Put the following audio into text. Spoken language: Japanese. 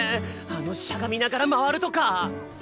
あのしゃがみながら回るとか。